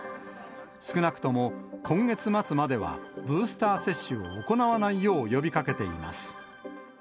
少なくとも今月末までは、ブースター接種を行わないよう呼びかけています。